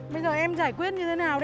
bây giờ em giải quyết như thế nào đi